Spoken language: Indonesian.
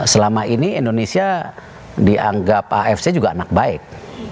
selama ini indonesia dianggap afc juga anak baik